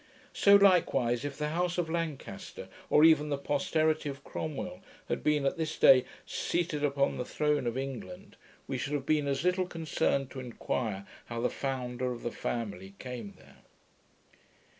So likewise, if the house of Lancaster, or even the posterity of Cromwell, had been at this day seated upon the throne of England, we should have been as little concerned to enquire how the founder of the family came there.